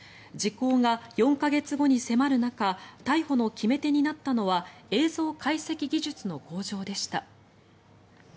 時効が４か月後に迫る中逮捕の決め手になったのは映像解析技術の向上でした。